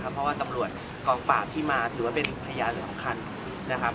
เพราะตำรวจกองฝากที่มาถือว่าเป็นพยานสำคัญ